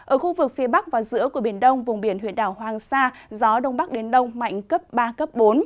ở khu vực phía bắc và giữa của biển đông vùng biển huyện đảo hoàng sa gió đông bắc đến đông mạnh cấp ba cấp bốn